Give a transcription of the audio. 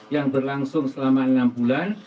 yang berlangsung selama enam bulan